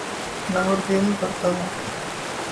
لاہور دل کرتا ہے۔